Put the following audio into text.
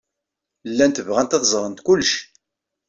Llant bɣant ad ẓrent kullec.